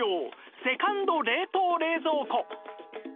セカンド冷凍・冷蔵庫